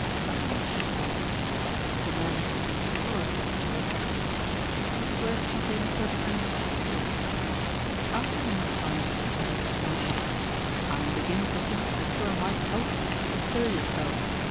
Vassili took thought. "The man speaks floridly," he reflected, "yet his words contain a certain element of truth." After a moment's silence he added to Platon: "I am beginning to think that the tour might help you to bestir yourself.